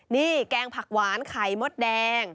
นี่แกงผักหวานไข่มดแดง